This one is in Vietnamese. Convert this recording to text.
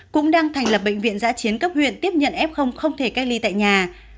cũng đang thành lập bệnh viện giã chiến cấp huyện tiếp nhận f không thể cách ly tại nhà